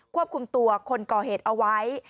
ควบคุมตัวคนก่อเหตุเอาไว้